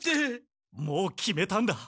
もう決めたんだ。